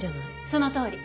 そのとおり。